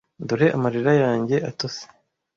Dore amarira yanjye atose!